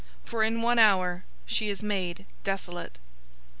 For in one hour is she made desolate.